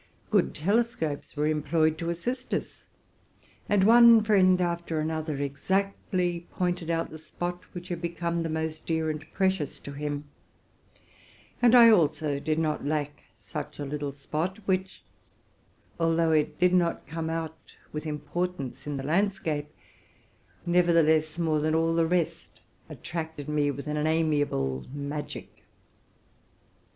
Good telescopes were employed to assist us, and one friend after another exactly pointed out the spot which had become the most dear and precious to him; nor did 7 lack such a little spot, which, although it did not come out with importance in the landscape, nevertheless more than all the rest attracted me with an amiable magic.